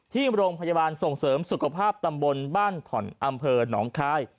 ที่โรงพยาบาลส่งเสริมสุขภาพตำบลบ้านถ่อนอำเภอหนองคาย